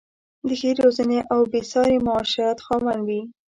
د ښې روزنې او بې ساري معاشرت خاوند وې.